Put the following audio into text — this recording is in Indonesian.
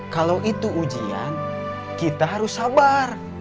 kalau itu ujian kita harus sabar